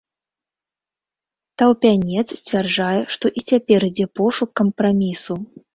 Таўпянец сцвярджае, што і цяпер ідзе пошук кампрамісу.